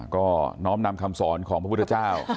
ก็น้อมนำคำสอนของพระพุทธเจ้า